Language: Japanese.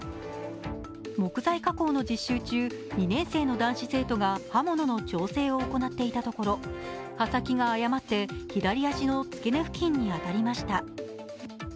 木材加工の実習中、２年生の男子生徒が刃物の調整を行っていたところ、刃先が誤って左足のつけ根付近に当たりました。